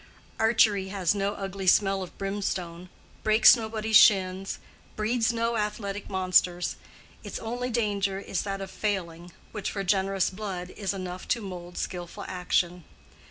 Archery has no ugly smell of brimstone; breaks nobody's shins, breeds no athletic monsters; its only danger is that of failing, which for generous blood is enough to mould skilful action.